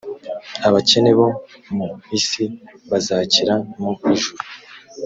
abakene bo mu isi bazakira mu ijuru